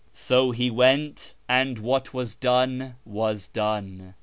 So he went, and what was done was done.